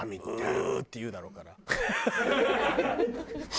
「ウウー」って言うだろうから。